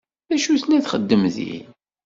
D acu tella txeddem din?